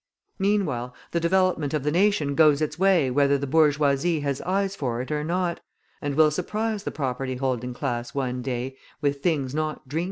Meanwhile, the development of the nation goes its way whether the bourgeoisie has eyes for it or not, and will surprise the property holding class one day with things not dreamed of in its philosophy.